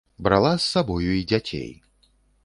Брала з сабою і дзяцей.